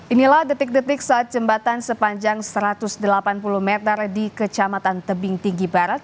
inilah detik detik saat jembatan sepanjang satu ratus delapan puluh meter di kecamatan tebing tinggi barat